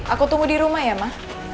aku tunggu dirumah ya ma